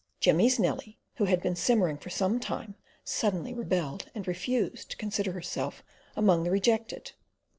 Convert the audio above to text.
Jimmy's Nellie, who had been simmering for some time, suddenly rebelled, and refused to consider herself among the rejected.